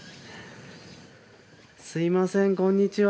すみませんこんにちは。